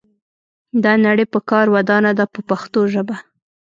دا نړۍ په کار ودانه ده په پښتو ژبه.